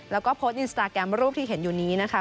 แล้วก็โพสต์อินสตาแกรมรูปที่เห็นอยู่นี้นะคะ